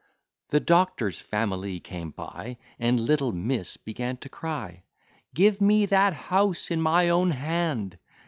The doctor's family came by, And little miss began to cry, Give me that house in my own hand!